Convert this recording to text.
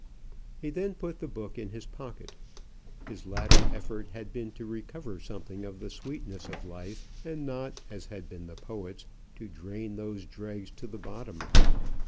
Then he put the book in his pocket. His latter effort had been to recover something of the sweetness of life, and not, as had been the poet's, to drain those dregs to the bottom.